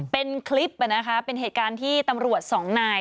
เป็นคลิปนะคะเป็นเหตุการณ์ที่ตำรวจสองนาย